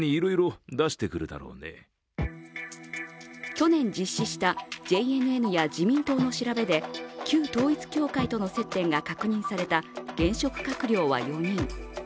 去年実施したＪＮＮや自民党の調べで旧統一教会との接点が確認された現職閣僚は４人。